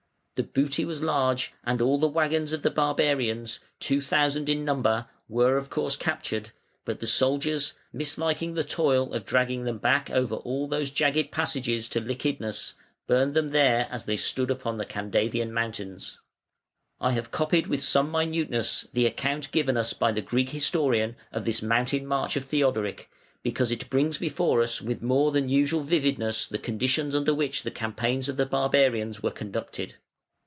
The booty was large; and all the waggons of the barbarians, two thousand in number, were of course captured, but the soldiers, misliking the toil of dragging them back over all those jagged passes to Lychnidus, burned them there as they stood upon the Candavian mountains. I have copied with some minuteness the account given us by the Greek historian of this mountain march of Theodoric, because it brings before us with more than usual vividness the conditions under which the campaigns of the barbarians were conducted.